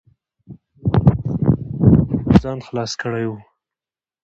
زاهدي صیب په کومه پلمه ځان خلاص کړی و.